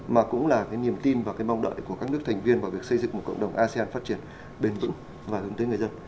mà cũng là cái niềm tin và cái mong đợi của các nước thành viên vào việc xây dựng một cộng đồng asean phát triển bền vững và hướng tới người dân